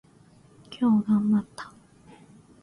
今日頑張った。